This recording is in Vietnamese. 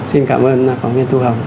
xin cảm ơn phóng viên thu hồng